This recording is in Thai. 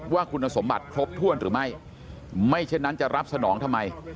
ว่าคุณสมบัติครบถ้วนหรือไม่ไม่เช่นนั้นจะรับสนองทำไม